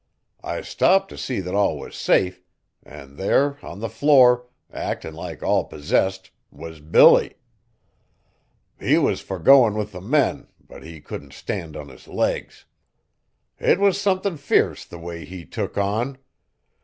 I stopped t' see that all was safe, an' there on the floor, actin' like all possessed, was Billy! He was fur goin' with the men, but he couldn't stand on his legs. It was somethin' fierce the way he took on.